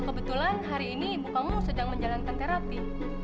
kebetulan hari ini ibu kamu sedang menjalankan terapi